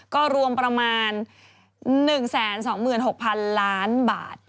ก็รวมประมาณ๑๒๖๐๐๐ล้านบาท